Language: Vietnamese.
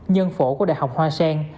nhân phổ của đại học hoa sen